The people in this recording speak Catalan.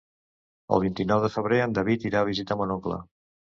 El vint-i-nou de febrer en David irà a visitar mon oncle.